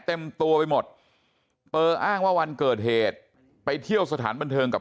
เต็มตัวไปหมดเปอร์อ้างว่าวันเกิดเหตุไปเที่ยวสถานบันเทิงกับ